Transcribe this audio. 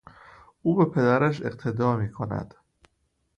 او به پدرش اقتدا میکند.